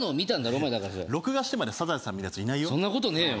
お前だからそれ録画してまでサザエさん見るやついなそんなことねえよ